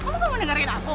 kamu mau dengerin aku